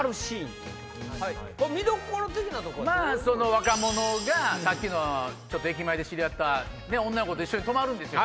若者がさっきの駅前で知り合った女の子と一緒に泊まるんですよ